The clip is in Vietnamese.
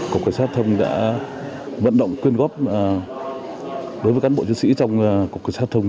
cục cảnh sát thông đã vận động quyên góp đối với cán bộ chiến sĩ trong cục cảnh sát giao thông